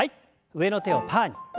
上の手をパーに。